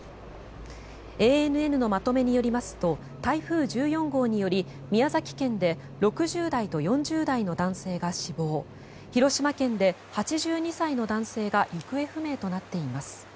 ＡＮＮのまとめによりますと台風１４号により宮崎県で６０代と４０代の男性が死亡広島県で８２歳の男性が行方不明となっています。